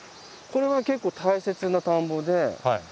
これは結構大切な田んぼで。